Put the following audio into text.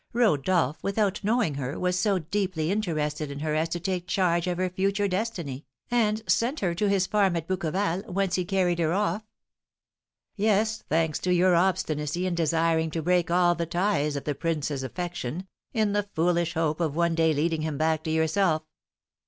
Rodolph, without knowing her, was so deeply interested in her as to take charge of her future destiny, and sent her to his farm at Bouqueval, whence we carried her off." "Yes, thanks to your obstinacy in desiring to break all the ties of the prince's affection, in the foolish hope of one day leading him back to yourself!"